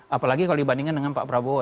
apalagi kalau dibandingkan dengan pak prabowo